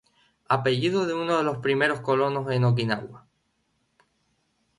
Apellido de uno de los primeros colonos en Okinawa沖縄.